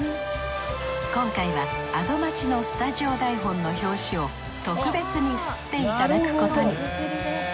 今回は「アド街」のスタジオ台本の表紙を特別に刷っていただくことに。